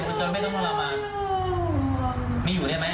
คุณได้อยู่เป็นใครยังไม่ได้อยู่กับแม่